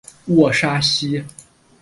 沃沙西。